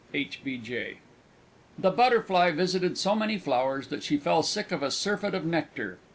H. B. J. The Butterfly visited so many flowers that she fell sick of a surfeit of nectar.